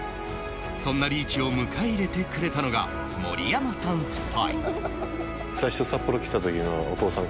そんなリーチを迎え入れてくれたのが、森山さん夫妻。